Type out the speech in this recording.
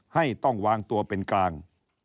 ให้ต้องวางตัวเป็นกลาง